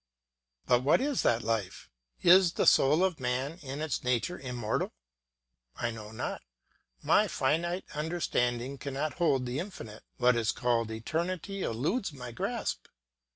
But what is that life? Is the soul of man in its nature immortal? I know not. My finite understanding cannot hold the infinite; what is called eternity eludes my grasp.